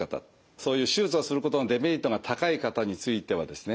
そういう手術をすることのデメリットが高い方についてはですね